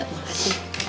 ya makanya temen temen